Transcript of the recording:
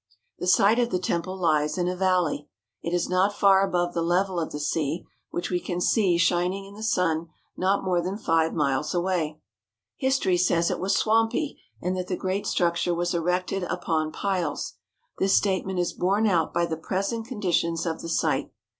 The site of the temple lies in a valley. It is not far above the level of the sea, which we can see shining in the sun not more than five miles away. History says it was swampy and that the great structure was erected upon piles. This statement is borne out by the present conditions of the site.